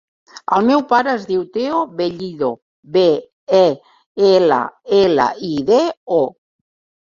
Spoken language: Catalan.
El meu pare es diu Theo Bellido: be, e, ela, ela, i, de, o.